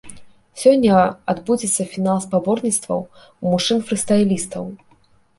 Сёння адбудзецца фінал спаборніцтваў у мужчын-фрыстайлістаў.